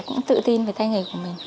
cũng tự tin về tay nghề của mình